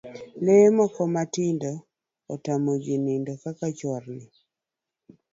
Lee moko matindo otamo jii nindo kaka chwarni